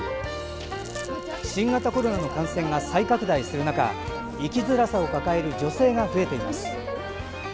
新型コロナの感染が再拡大する中生きづらさを抱える女性が増えています。